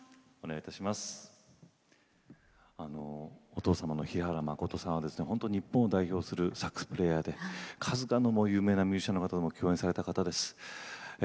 お父様の平原まことさんは日本を代表するサックスプレーヤーで数々の有名なミュージシャンと共演された方です。